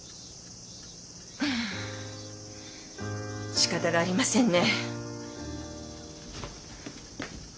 しかたがありませんね。